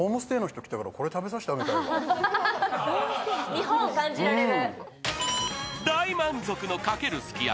日本を感じられる。